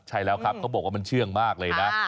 ใช่แล้วครับเขาบอกว่ามันเชื่องมากเลยนะ